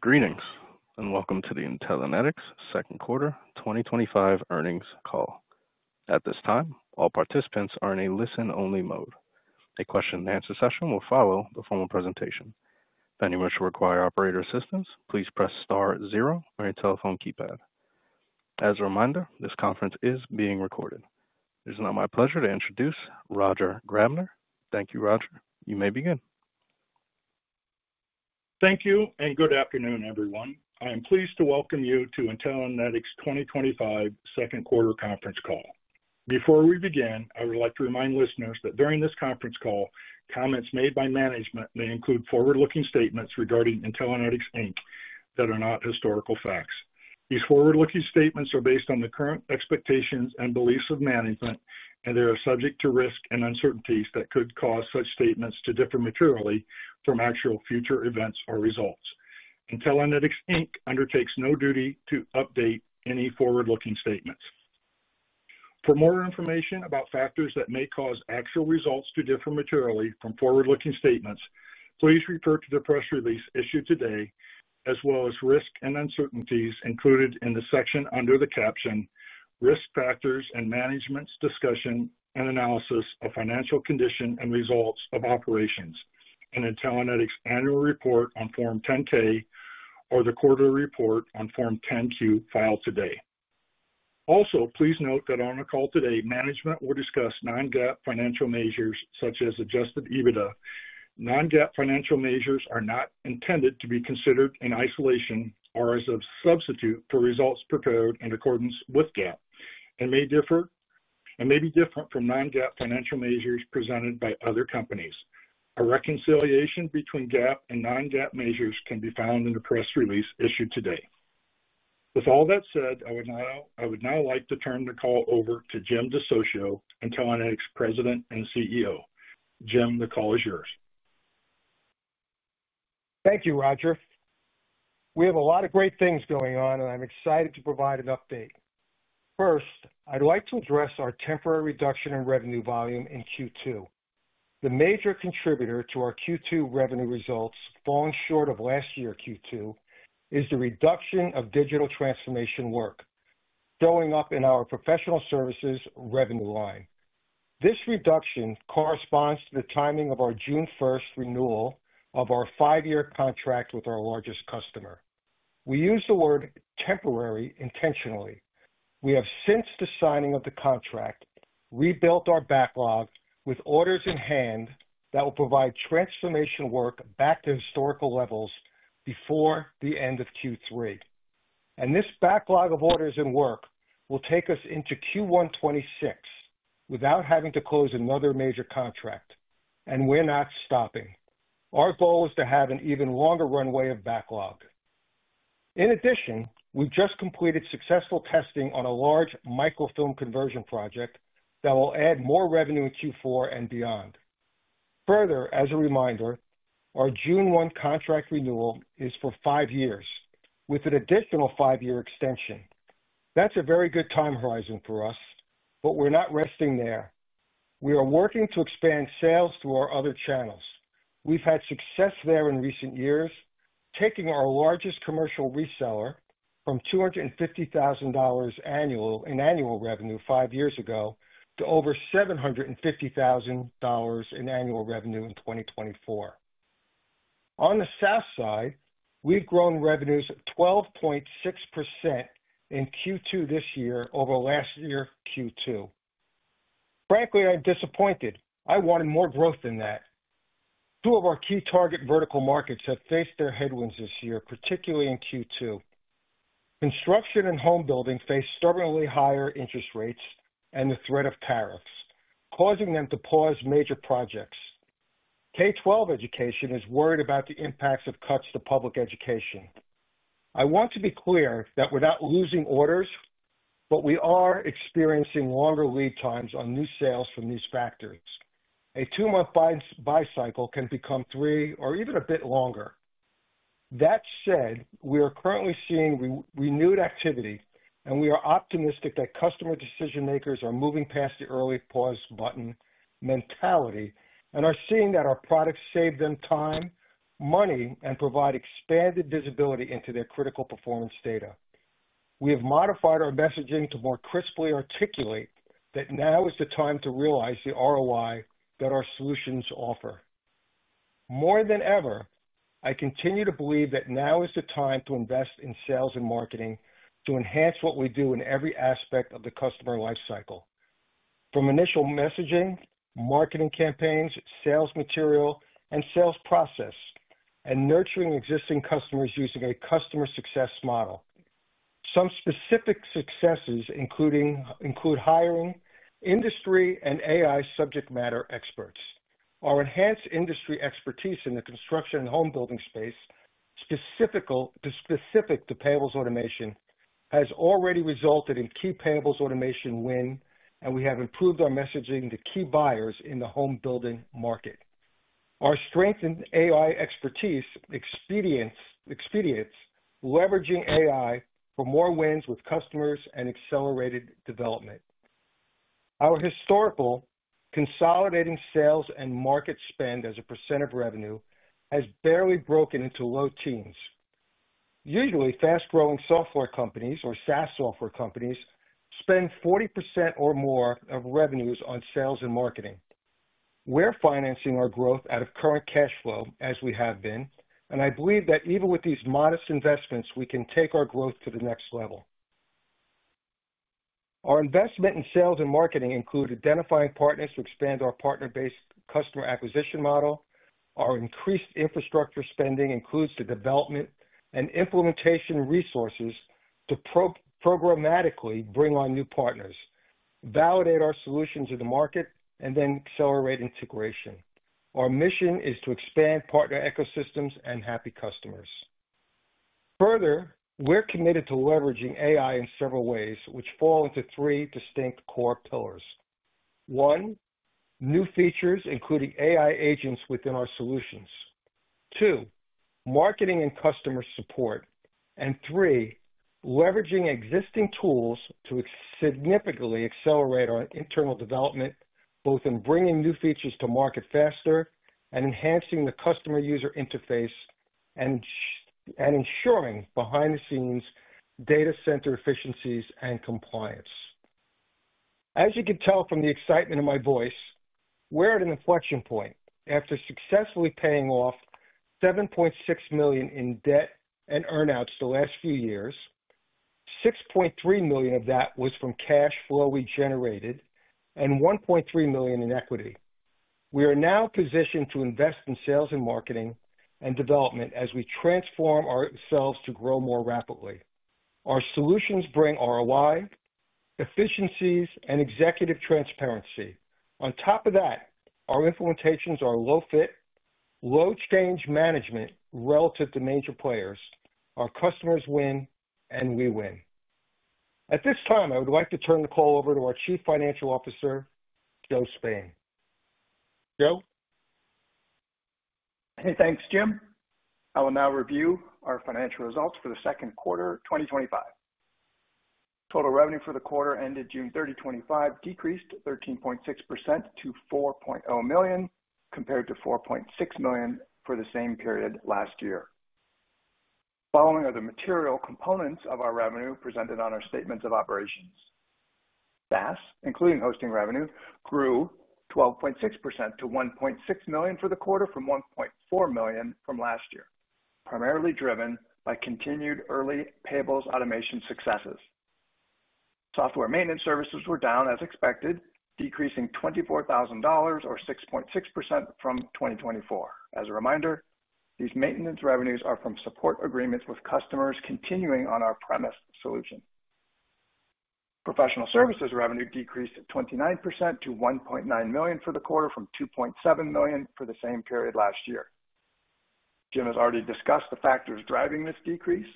Greetings and welcome to the Intellinetics Second Quarter 2025 Earnings Call. At this time, all participants are in a listen-only mode. A question-and-answer session will follow the formal presentation. If anyone should require operator assistance, please press star zero on your telephone keypad. As a reminder, this conference is being recorded. It is now my pleasure to introduce Roger Grabner. Thank you, Roger. You may begin. Thank you and good afternoon, everyone. I am pleased to welcome you to Intellinetics 2025 Second Quarter Conference Call. Before we begin, I would like to remind listeners that during this conference call, comments made by management may include forward-looking statements regarding Intellinetics Inc. that are not historical facts. These forward-looking statements are based on the current expectations and beliefs of management, and they are subject to risk and uncertainties that could cause such statements to differ materially from actual future events or results. Intellinetics Inc. undertakes no duty to update any forward-looking statements. For more information about factors that may cause actual results to differ materially from forward-looking statements, please refer to the press release issued today, as well as risk and uncertainties included in the section under the caption "Risk Factors and Management's Discussion and Analysis of Financial Condition and Results of Operations" in Intellinetics' annual report on Form 10-K or the quarterly report on Form 10-Q filed today. Also, please note that on the call today, management will discuss non-GAAP financial measures such as adjusted EBITDA. Non-GAAP financial measures are not intended to be considered in isolation or as a substitute for results prepared in accordance with GAAP and may differ, and may be different from non-GAAP financial measures presented by other companies. A reconciliation between GAAP and non-GAAP measures can be found in the press release issued today. With all that said, I would now like to turn the call over to Jim DeSocio, Intellinetics President and CEO. Jim, the call is yours. Thank you, Roger. We have a lot of great things going on, and I'm excited to provide an update. First, I'd like to address our temporary reduction in revenue volume in Q2. The major contributor to our Q2 revenue results falling short of last year's Q2 is the reduction of digital transformation work showing up in our professional services revenue line. This reduction corresponds to the timing of our June 1 renewal of our five-year contract with our largest customer. We use the word "temporary" intentionally. We have, since the signing of the contract, rebuilt our backlog with orders in hand that will provide transformation work back to historical levels before the end of Q3. This backlog of orders and work will take us into Q1 2026 without having to close another major contract, and we're not stopping. Our goal is to have an even longer runway of backlog. In addition, we just completed successful testing on a large microfilm conversion project that will add more revenue in Q4 and beyond. Further, as a reminder, our June 1 contract renewal is for five years, with an additional five-year extension. That's a very good time horizon for us, but we're not resting there. We are working to expand sales through our other channels. We've had success there in recent years, taking our largest commercial reseller from $250,000 in annual revenue five years ago to over $750,000 in annual revenue in 2024. On the SaaS side, we've grown revenues 12.6% in Q2 this year over last year's Q2. Frankly, I'm disappointed. I wanted more growth than that. Two of our key target vertical markets have faced their headwinds this year, particularly in Q2. Construction and home building face stubbornly higher interest rates and the threat of tariffs, causing them to pause major projects. K-12 education is worried about the impacts of cuts to public education. I want to be clear that we're not losing orders, but we are experiencing longer lead times on new sales from these verticals. A two-month buy cycle can become three or even a bit longer. That said, we are currently seeing renewed activity, and we are optimistic that customer decision makers are moving past the early pause button mentality and are seeing that our products save them time, money, and provide expanded visibility into their critical performance data. We have modified our messaging to more crisply articulate that now is the time to realize the ROI that our solutions offer. More than ever, I continue to believe that now is the time to invest in sales and marketing to enhance what we do in every aspect of the customer lifecycle. From initial messaging, marketing campaigns, sales material, and sales process, and nurturing existing customers using a customer success model. Some specific successes include hiring industry and AI subject matter experts. Our enhanced industry expertise in the construction and home building space, specific to payables automation, has already resulted in key payables automation win, and we have improved our messaging to key buyers in the home building market. Our strengthened AI expertise expedites leveraging AI for more wins with customers and accelerated development. Our historical consolidating sales and marketing spend as a percent of revenue has barely broken into low teens. Usually, fast-growing software companies or SaaS software companies spend 40% or more of revenues on sales and marketing. We're financing our growth out of current cash flow, as we have been, and I believe that even with these modest investments, we can take our growth to the next level. Our investment in sales and marketing includes identifying partners to expand our partner-based customer acquisition model. Our increased infrastructure spending includes the development and implementation resources to programmatically bring on new partners, validate our solutions in the market, and then accelerate integration. Our mission is to expand partner ecosystems and happy customers. Further, we're committed to leveraging AI in several ways, which fall into three distinct core pillars. One, new features including AI agents within our solutions. Two, marketing and customer support. Three, leveraging existing tools to significantly accelerate our internal development, both in bringing new features to market faster and enhancing the customer user interface and ensuring behind-the-scenes data center efficiencies and compliance. As you can tell from the excitement in my voice, we're at an inflection point. After successfully paying off $7.6 million in debt and earnouts the last few years, $6.3 million of that was from cash flow we generated and $1.3 million in equity. We are now positioned to invest in sales and marketing and development as we transform ourselves to grow more rapidly. Our solutions bring ROI, efficiencies, and executive transparency. On top of that, our implementations are low-fit, low-change management relative to major players. Our customers win and we win. At this time, I would like to turn the call over to our Chief Financial Officer, Joe Spain. Joe. Hey, thanks, Jim. I will now review our financial results for the second quarter 2025. Total revenue for the quarter ended June 30, 2025, decreased 13.6% to $4.0 million compared to $4.6 million for the same period last year. The following are the material components of our revenue presented on our statements of operations. SaaS, including hosting revenue, grew 12.6% to $1.6 million for the quarter from $1.4 million from last year, primarily driven by continued early payables automation successes. Software maintenance services were down as expected, decreasing $24,000 or 6.6% from 2024. As a reminder, these maintenance revenues are from support agreements with customers continuing on our premise solution. Professional services revenue decreased 29% to $1.9 million for the quarter from $2.7 million for the same period last year. Jim has already discussed the factors driving this decrease.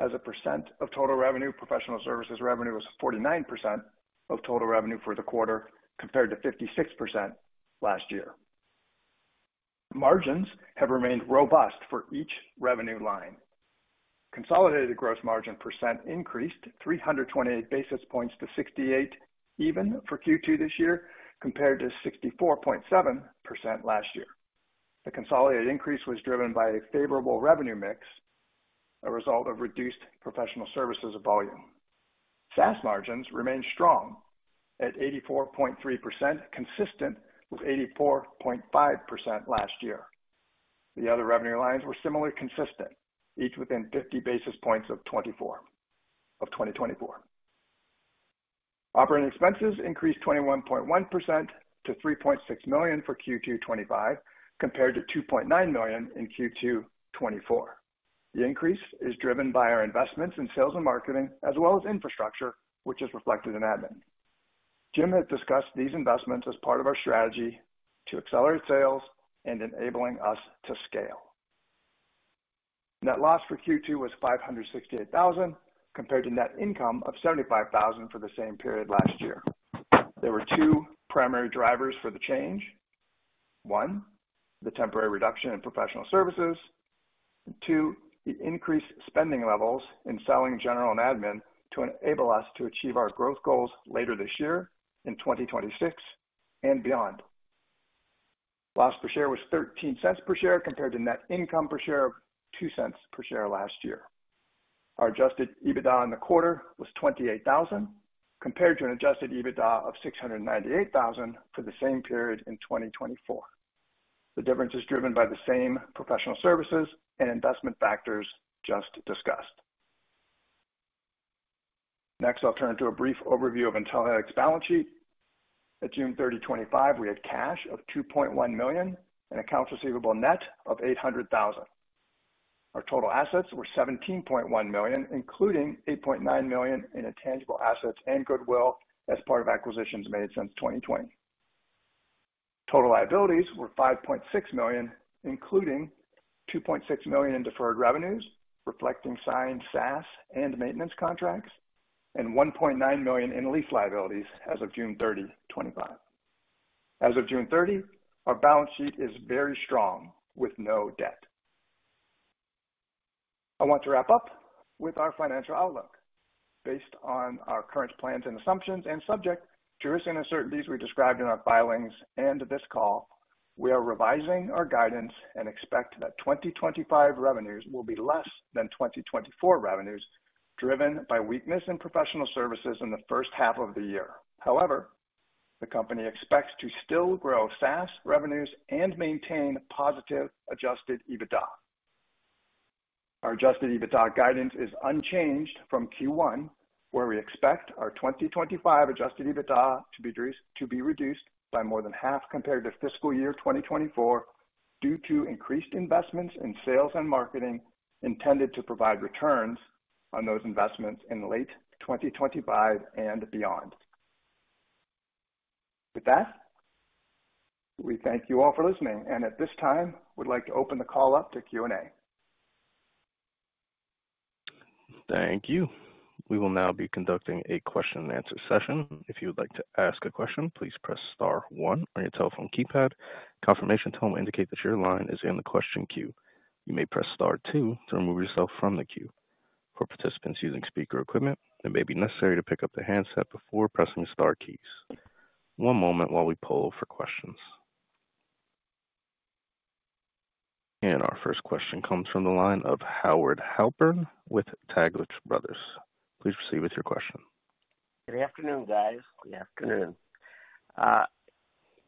As a % of total revenue, professional services revenue was 49% of total revenue for the quarter compared to 56% last year. Margins have remained robust for each revenue line. Consolidated gross margin percent increased 328 basis points to 68% even for Q2 this year, compared to 64.7% last year. The consolidated increase was driven by a favorable revenue mix, a result of reduced professional services volume. SaaS margins remained strong at 84.3%, consistent with 84.5% last year. The other revenue lines were similarly consistent, each within 50 basis points of 2024. Operating expenses increased 21.1% to $3.6 million for Q2 2025 compared to $2.9 million in Q2 2024. The increase is driven by our investments in sales and marketing, as well as infrastructure, which is reflected in admin. Jim has discussed these investments as part of our strategy to accelerate sales and enabling us to scale. Net loss for Q2 was $568,000 compared to net income of $75,000 for the same period last year. There were two primary drivers for the change: one, the temporary reduction in professional services; two, the increased spending levels in selling, general, and admin to enable us to achieve our growth goals later this year in 2026 and beyond. Loss per share was $0.13 per share compared to net income per share of $0.02 per share last year. Our adjusted EBITDA in the quarter was $28,000 compared to an adjusted EBITDA of $698,000 for the same period in 2024. The difference is driven by the same professional services and investment factors just discussed. Next, I'll turn to a brief overview of Intellinetics' balance sheet. At June 30, 2025, we had cash of $2.1 million and accounts receivable, net, of $800,000. Our total assets were $17.1 million, including $8.9 million in intangible assets and goodwill as part of acquisitions made since 2020. Total liabilities were $5.6 million, including $2.6 million in deferred revenues, reflecting signed SaaS and maintenance contracts, and $1.9 million in lease liabilities as of June 30, 2025. As of June 30, our balance sheet is very strong with no debt. I want to wrap up with our financial outlook. Based on our current plans and assumptions and subject to risks and uncertainties we described in our filings and this call, we are revising our guidance and expect that 2025 revenues will be less than 2024 revenues, driven by weakness in professional services in the first half of the year. However, the company expects to still grow SaaS revenues and maintain positive adjusted EBITDA. Our adjusted EBITDA guidance is unchanged from Q1, where we expect our 2025 adjusted EBITDA to be reduced by more than half compared to fiscal year 2024 due to increased investments in sales and marketing intended to provide returns on those investments in late 2025 and beyond. With that, we thank you all for listening, and at this time, we'd like to open the call up to Q&A. Thank you. We will now be conducting a question-and-answer session. If you would like to ask a question, please press star one on your telephone keypad. A confirmation tone will indicate that your line is in the question queue. You may press star two to remove yourself from the queue. For participants using speaker equipment, it may be necessary to pick up the handset before pressing your star keys. One moment while we poll for questions. Our first question comes from the line of Howard Halpern with Taglich Brothers. Please proceed with your question. Good afternoon, guys. Good afternoon.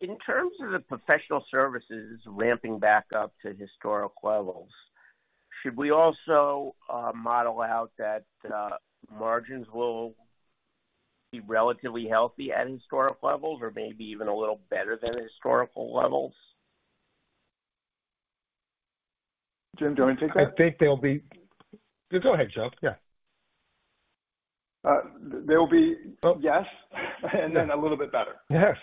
In terms of the professional services ramping back up to historical levels, should we also model out that margins will be relatively healthy at historical levels or maybe even a little better than historical levels? Jim, do you want to take that? I think there'll be... Go ahead, Joe. Yeah. There will be, yes, a little bit better. Yes.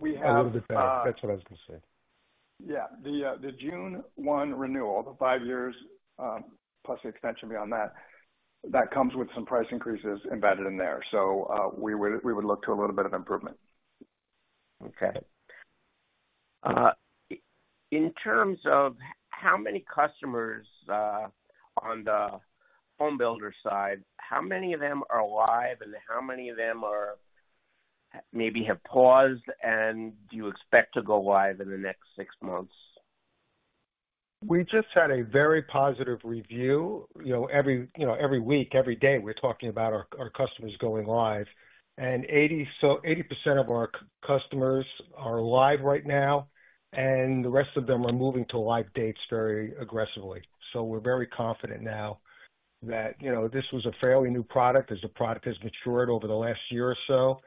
We have... A little bit better. That's what I was going to say. The June 1 renewal, the five years plus the extension beyond that, comes with some price increases embedded in there. We would look to a little bit of improvement. Okay. In terms of how many customers on the home builder side, how many of them are live, and how many of them maybe have paused, and do you expect to go live in the next six months? We just had a very positive review. You know, every week, every day, we're talking about our customers going live. 80% of our customers are live right now, and the rest of them are moving to live dates very aggressively. We're very confident now that this was a fairly new product as the product has matured over the last year or so.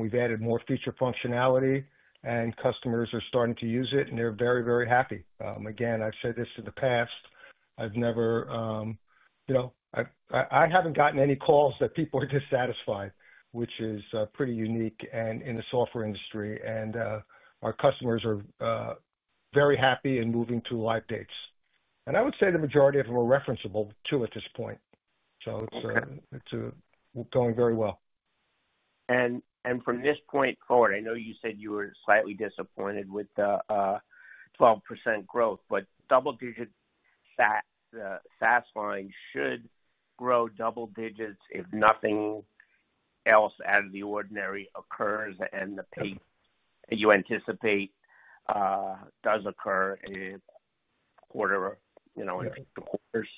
We've added more feature functionality, and customers are starting to use it, and they're very, very happy. Again, I've said this in the past. I haven't gotten any calls that people are dissatisfied, which is pretty unique in the software industry. Our customers are very happy in moving to live dates. I would say the majority of them are referenceable too at this point. It's going very well. From this point forward, I know you said you were slightly disappointed with the 12% growth, but double-digit SaaS lines should grow double digits if nothing else out of the ordinary occurs and the pace that you anticipate does occur in the quarter or in the quarters.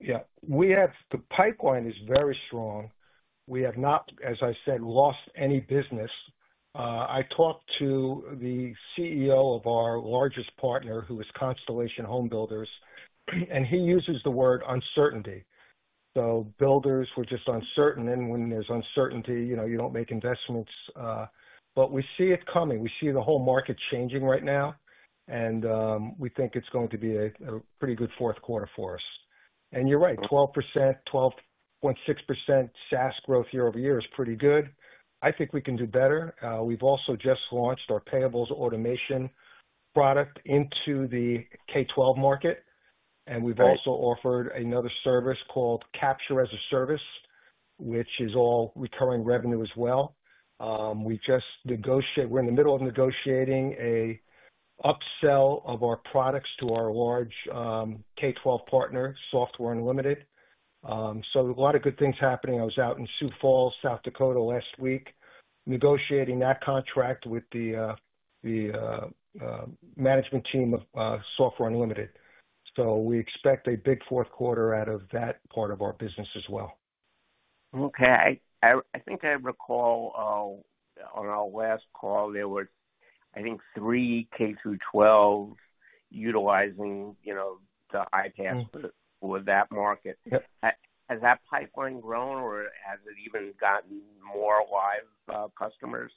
Yeah. The pipeline is very strong. We have not, as I said, lost any business. I talked to the CEO of our largest partner, who is Constellation Homebuilders, and he uses the word uncertainty. Builders were just uncertain. When there's uncertainty, you don't make investments. We see it coming. We see the whole market changing right now, and we think it's going to be a pretty good fourth quarter for us. You're right. 12%, 12.6% SaaS growth year over year is pretty good. I think we can do better. We've also just launched our payables automation product into the K-12 market. We've also offered another service called Capture as a Service, which is all recurring revenue as well. We just negotiate. We're in the middle of negotiating an upsell of our products to our large K-12 partner, Software Unlimited. A lot of good things happening. I was out in Sioux Falls, South Dakota last week, negotiating that contract with the management team of Software Unlimited. We expect a big fourth quarter out of that part of our business as well. Okay. I think I recall on our last call, there was, I think, three K-12 utilizing, you know, the IPAS for that market. Has that pipeline grown or has it even gotten more live customers?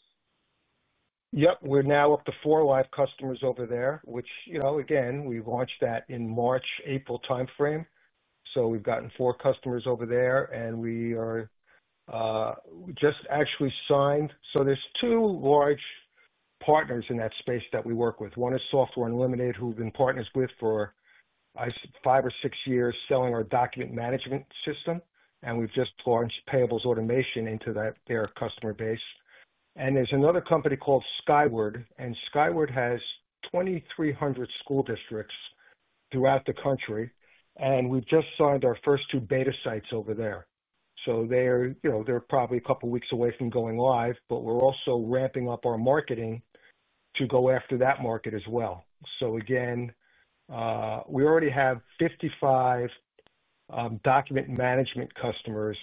Yep. We're now up to four live customers over there, which, you know, again, we launched that in the March, April timeframe. We've gotten four customers over there, and we just actually signed. There are two large partners in that space that we work with. One is Software Unlimited, who we've been partners with for five or six years selling our document management system. We've just launched payables automation into their customer base. There's another company called Skyward. Skyward has 2,300 school districts throughout the country. We just signed our first two beta sites over there. They're probably a couple of weeks away from going live, but we're also ramping up our marketing to go after that market as well. We already have 55 document management customers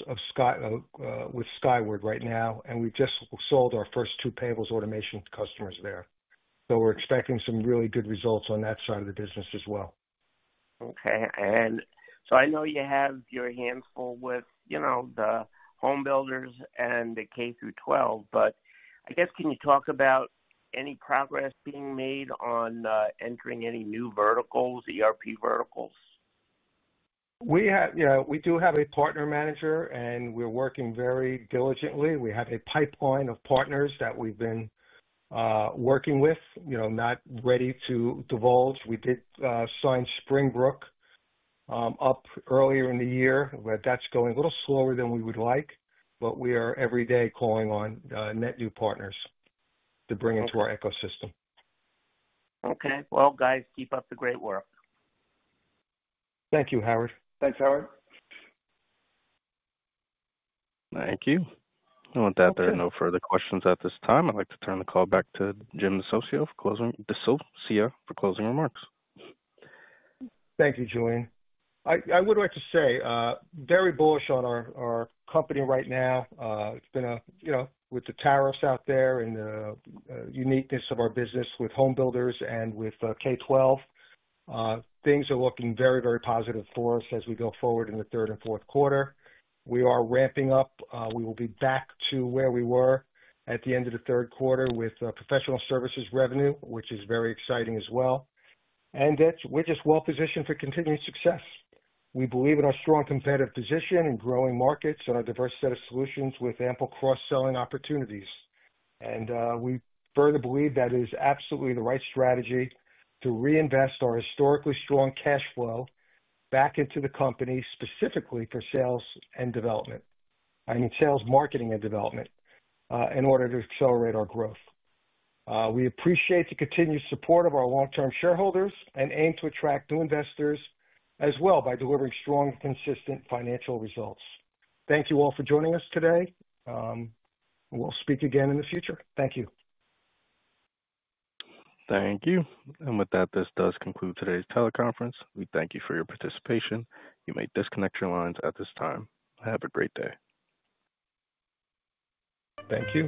with Skyward right now, and we've just sold our first two payables automation customers there. We're expecting some really good results on that side of the business as well. Okay. I know you have your handful with the home builders and the K-12, but I guess can you talk about any progress being made on entering any new verticals, ERP verticals? We have a partner manager, and we're working very diligently. We have a pipeline of partners that we've been working with, not ready to divulge. We did sign Springbrook up earlier in the year, but that's going a little slower than we would like. We are every day calling on net new partners to bring into our ecosystem. Okay, guys, keep up the great work. Thank you, Howard. Thanks, Howard. Thank you. With that, there are no further questions at this time. I'd like to turn the call back to Jim DeSocio for closing remarks. Thank you, Julian. I would like to say, very bullish on our company right now. It's been a, you know, with the tariffs out there and the uniqueness of our business with home builders and with K-12, things are looking very, very positive for us as we go forward in the third and fourth quarter. We are ramping up. We will be back to where we were at the end of the third quarter with professional services revenue, which is very exciting as well. We're just well positioned for continued success. We believe in our strong competitive position in growing markets and our diverse set of solutions with ample cross-selling opportunities. We further believe that it is absolutely the right strategy to reinvest our historically strong cash flow back into the company, specifically for sales and development. I mean, sales, marketing, and development, in order to accelerate our growth. We appreciate the continued support of our long-term shareholders and aim to attract new investors as well by delivering strong, consistent financial results. Thank you all for joining us today. We'll speak again in the future. Thank you. Thank you. With that, this does conclude today's teleconference. We thank you for your participation. You may disconnect your lines at this time. Have a great day. Thank you.